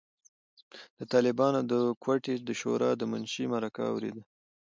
د طالبانو د کوټې د شورای د منشي مرکه اورېده.